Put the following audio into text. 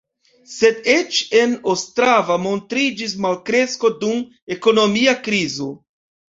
Sed eĉ en Ostrava montriĝis malkresko dum ekonomia krizo.